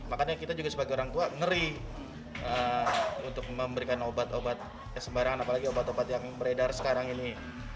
makanya kita juga sebagai orang tua ngeri untuk memberikan obat obat sembarangan apalagi obat obat yang beredar sekarang ini